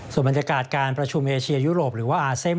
ส่วนบรรยากาศการประชุมเอเชียยุโรปหรือว่าอาเซม